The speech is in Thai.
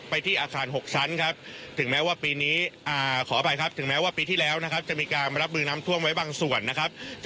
ไปที่อาคาร๖ชั้นถึงแม้ว่าปีที่แล้วจะมีการระบื้อน้ำท่วมไว้บางส่วนนะครับ